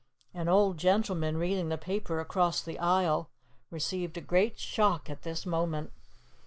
An old gentleman, reading his paper across the aisle, received a great shock at this moment.